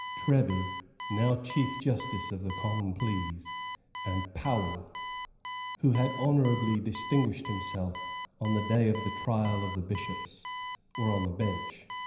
Treby, now Chief Justice of the Common Pleas, and Powell, who had honourably distinguished himself on the day of the trial of the bishops, were on the Bench.